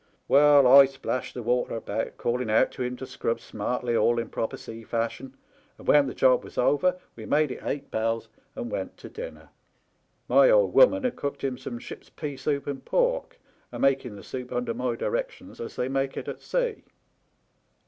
Well, I splashed the water about, calling out to him to scrub smartly all in proper sea fashion, and when the job was over we made it eight bells and went to dinner. My old woman had cooked him some ship's peasoup an* pork, a making the soup under my directions as they make it at sea.